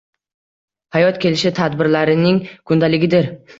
Hayot kelish tadbirlarining kundaligidir.